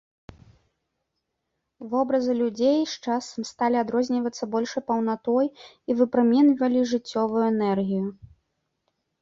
Вобразы людзей з часам сталі адрознівацца большай паўнатой і выпраменьвалі жыццёвую энергію.